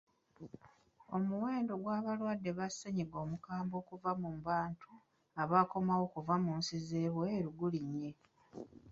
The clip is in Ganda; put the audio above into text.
Omuwendo gw'abalwadde ba ssennyiga omukambwe okuva mu bantu abakomawo okuva mu nsi ez'ebweru gulinnye.